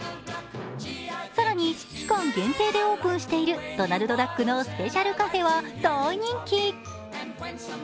更に期間限定でオープンしているドナルドダックのスペシャルカフェは大人気。